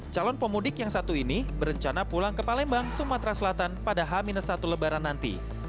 calon pemudik yang satu ini berencana pulang ke palembang sumatera selatan pada h satu lebaran nanti